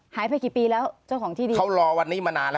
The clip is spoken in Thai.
หายไปกี่ปีแล้วเจ้าของที่ดินเขารอวันนี้มานานแล้ว